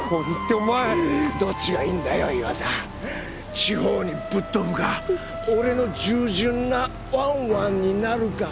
地方にぶっ飛ぶか俺の従順なワンワンになるか。